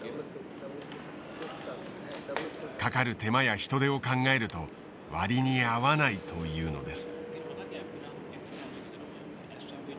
かかる手間や人手を考えると割に合わないというのです。